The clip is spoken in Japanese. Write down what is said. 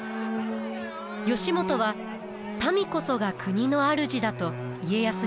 義元は民こそが国の主だと家康に教えました。